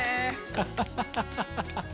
ハハハハハ！